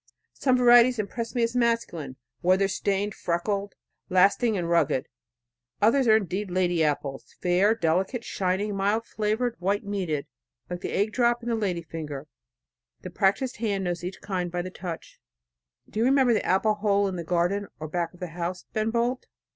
Some varieties impress me as masculine, weather stained, freckled, lasting and rugged; others are indeed lady apples, fair, delicate, shining, mild flavored, white meated, like the egg drop and the lady finger. The practiced hand knows each kind by the touch. Do you remember the apple hole in the garden or back of the house, Ben Bolt?